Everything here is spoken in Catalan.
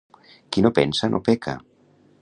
Qui no pensa, no peca.